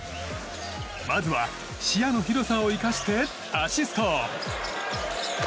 まずは視野の広さを生かしてアシスト。